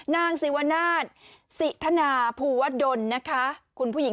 นางศิวณาทศิษฎนาภูวดดนธรรม์นะค่ะ